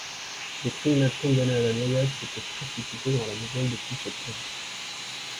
Les criminels condamnés à la noyade étaient précipités dans la Moselle depuis ce pont.